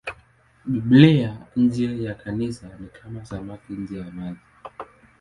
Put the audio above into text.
Biblia nje ya Kanisa ni kama samaki nje ya maji.